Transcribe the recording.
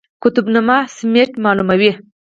قطب نما سمت معلوموي